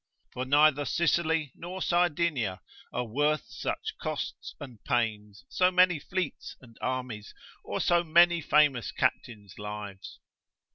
For neither Sicily nor Sardinia are worth such cost and pains, so many fleets and armies, or so many famous Captains' lives.